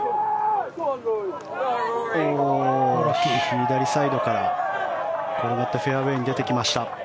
左サイドから転がってフェアウェーに出てきました。